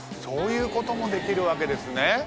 そういうこともできるわけですね。